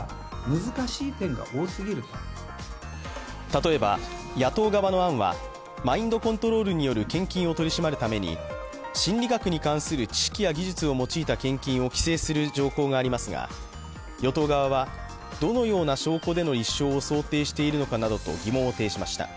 例えば野党側の案はマインドコントロールによる献金を取り締まるために心理学に関する知識や技術を用いた献金を規制する条項がありますが、与党側はどのような証拠での立証を想定しているのかなどと疑問を呈しました。